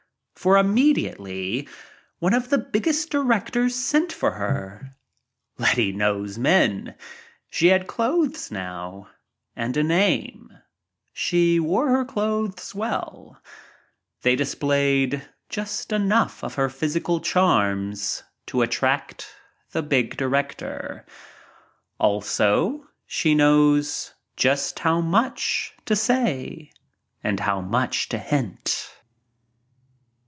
For immediately one of the Biggest Directors .% 42 THE GREAT LETTY sent for her. and Letty knows men. She had clothes She* wore her clothes well. now, ana a name. They displayed just enough of her physical charms to attract the Big Director. Also she knows just how much to say — and how much to hint.